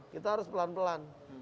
kita harus pelan pelan